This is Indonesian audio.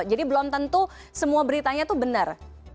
jadi belum tentu semua beritanya tuh benar